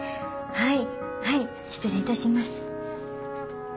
はい。